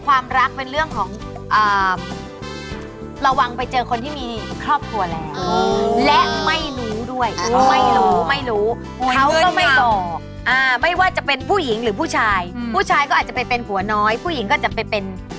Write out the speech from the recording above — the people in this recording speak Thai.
ทันวาอย่าเสี่ยงโอ้โฮ